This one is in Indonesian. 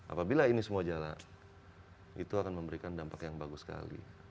apabila ini semua jalan itu akan memberikan dampak yang bagus sekali